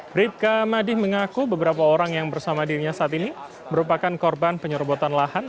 bribka madi mengaku beberapa orang yang bersama dirinya saat ini merupakan korban penyerobotan lahan